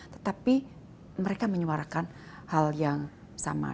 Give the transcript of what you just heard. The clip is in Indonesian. tetapi mereka menyuarakan hal yang sama